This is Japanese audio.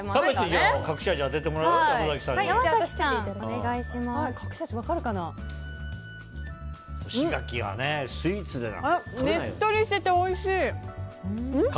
ねっとりしてておいしい！